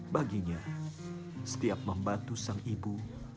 baginya setiap membantu sang ibu